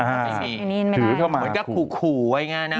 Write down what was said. เหมือนกับขู่ไว้ไงนะ